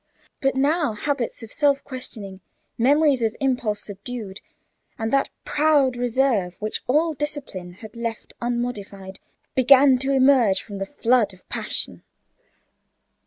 But now, habits of self questioning, memories of impulse subdued, and that proud reserve which all discipline had left unmodified, began to emerge from the flood of passion.